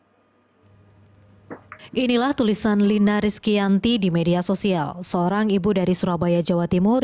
hai inilah tulisan lina rizkyanti di media sosial seorang ibu dari surabaya jawa timur